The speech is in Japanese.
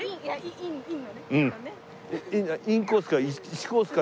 インコースから。